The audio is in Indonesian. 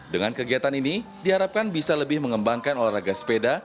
dengan kegiatan ini diharapkan bisa lebih mengembangkan olahraga sepeda